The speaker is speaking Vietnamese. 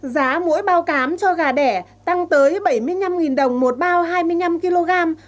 giá mỗi bao cám cho gà đẻ tăng tới bảy mươi năm đồng một bao hai mươi năm kg